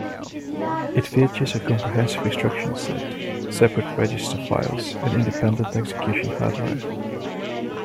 It features a comprehensive instruction set, separate register files and independent execution hardware.